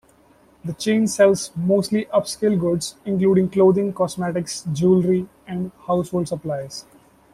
The chain sells mostly upscale goods, including clothing, cosmetics, jewelry and household supplies.